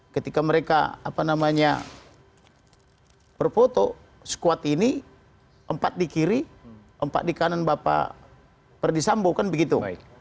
ketika mereka berfoto squad ini empat di kiri empat di kanan bapak perdisambo kan begitu